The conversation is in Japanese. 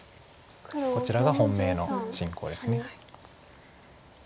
こちらが本命の進行です。